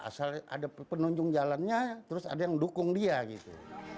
asal ada penunjang jalannya terus ada yang dukung dia gitu